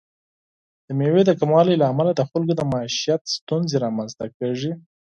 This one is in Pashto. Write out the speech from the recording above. د میوې د کموالي له امله د خلکو د معیشت ستونزې رامنځته کیږي.